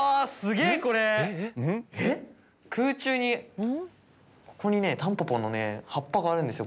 空中にここにねたんぽぽのね葉っぱがあるんですよ